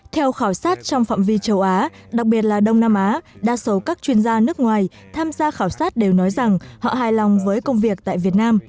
theo khảo sát trong phạm vi châu á đặc biệt là đông nam á đa số các chuyên gia nước ngoài tham gia khảo sát đều nói rằng họ hài lòng với công việc tại việt nam